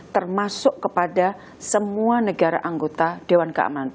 termasuk kepada semua negara anggota dewan keamanan